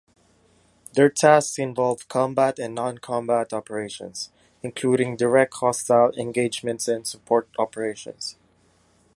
Their tasks involve combat and non-combat operations, including direct hostile engagements and support operations.